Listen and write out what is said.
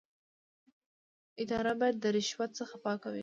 اداره باید د رشوت څخه پاکه وي.